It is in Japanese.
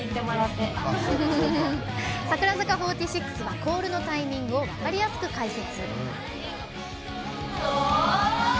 櫻坂４６はコールのタイミングを分かりやすく解説。